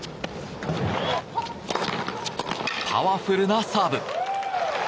パワフルなサーブ。